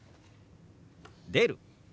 「出る」。